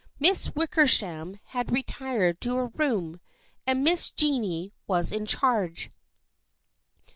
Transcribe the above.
Miss Wickersham had retired to her room, and Miss Jennie was in charge.